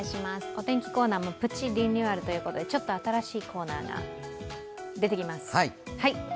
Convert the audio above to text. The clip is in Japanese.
お天気コーナーもプチリニューアルということでちょっと新しいコーナーが出てきます。